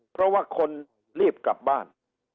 เพราะว่าคนรีบกลับบ้าน